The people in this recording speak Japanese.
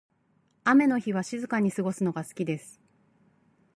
雨の日は静かに過ごすのが好きです。